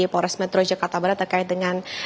polres metro jakarta barat terkait dengan